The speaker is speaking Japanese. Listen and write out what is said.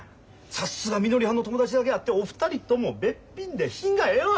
さすがみのりはんの友達だけあってお二人ともべっぴんで品がええわ。